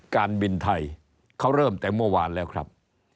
การบินไทยเขาเริ่มแต่เมื่อวานแล้วครับ